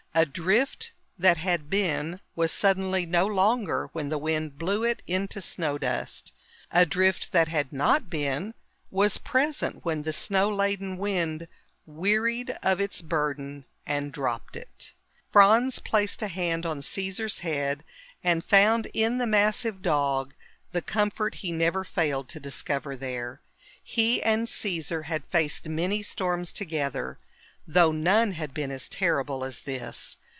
A drift that had been was suddenly no longer when the wind blew it into snow dust. A drift that had not been was present when the snow laden wind wearied of its burden and dropped it. Franz placed a hand on Caesar's head and found in the massive dog the comfort he never failed to discover there. He and Caesar had faced many storms together, though none had been as terrible as this.